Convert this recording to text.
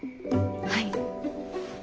はい。